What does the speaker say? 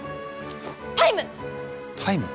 タイム！